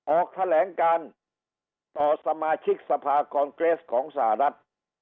ออกแถลงการต่อสมาชิกสภาคอนเกรสของสหรัฐ